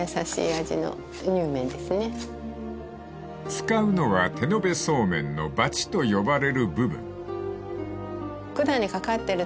［使うのは手延べそうめんのばちと呼ばれる部分］